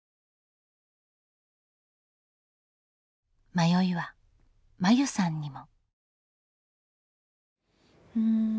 迷いは真優さんにも。